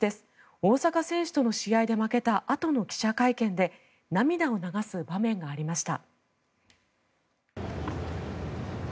大坂選手との試合で負けたあとの記者会見で涙を流す場面がありました。